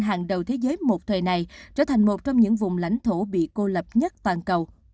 hàng đầu thế giới một thời này trở thành một trong những vùng lãnh thổ bị cô lập nhất toàn cầu